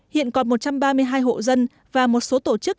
hiện còn một trăm ba mươi hai hộ dân và một số tổ chức